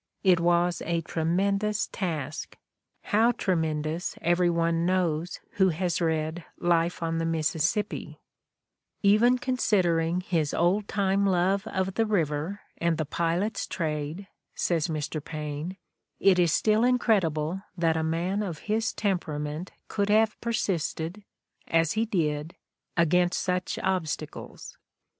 It was a tremendous task, how tremendous every one knows who has read "Life on the Mississippi": "even considering his old time love of the river and the pilot's trade," says Mr. Paine, "it is still incredible that a man of his temperament could have persisted, as he did, against such obstacles."